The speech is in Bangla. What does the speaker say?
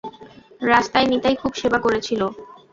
রাস্তায় নিতাই খুব সেবা করেছিল।